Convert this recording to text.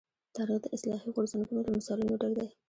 تاریخ د اصلاحي غورځنګونو له مثالونو ډک دی.